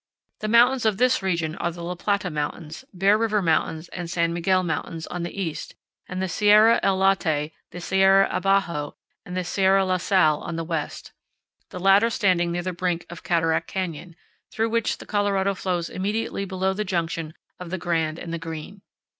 The mountains of this region are the La Plata Mountains, Bear River Mountains, and San Miguel Mountains on the east, and the Sierra El Late, the Sierra Abajo, and the Sierra La Sal on the west, the latter standing near the brink of Cataract Canyon, through which the Colorado flows immediately below the junction of the Grand and Green.